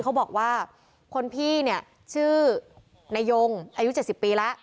เขาบอกว่าคนพี่เนี่ยชื่อนายงอายุ๗๐ปีแล้ว